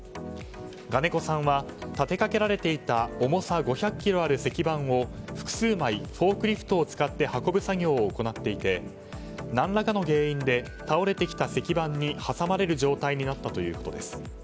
我如古さんは立てかけられていた重さ５００ｋｇある石板を複数枚フォークリフトを使って運ぶ作業を行っていて何らかの原因で倒れてきた石板に挟まれる状態になったということです。